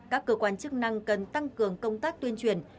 các cơ quan chức năng cần tăng cường công tác tuyên truyền